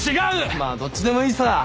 まぁどっちでもいいさ！